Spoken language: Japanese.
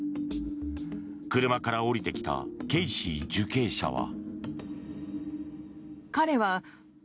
車から降りてきたケイシー受刑者は。